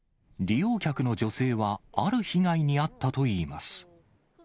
利用客の女性は、ある被害に遭ったといいます。